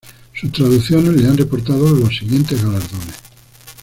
Sus traducciones le han reportado los siguientes galardones.